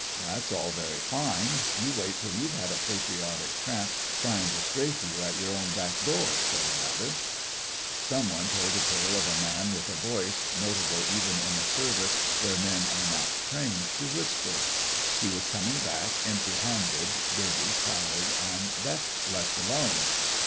"That's all very fine. You wait till you've had a patriotic tramp tryin' to strafe you at your own back door," said another. Some one told a tale of a man with a voice, notable even in a Service THE FRINGES OF THE FLEET 45 where men are not trained to whisper. He was coming back, empty handed, dirty, tired, and best left alone.